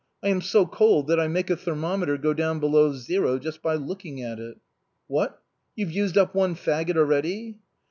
I am so cold^ that I make a ther mometer go down below zero by just looking at it." " What ! you've used up one faggot already